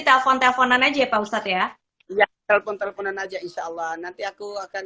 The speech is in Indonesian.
telepon teleponan aja ya pak ustadz ya telepon teleponan aja insya allah nanti aku akan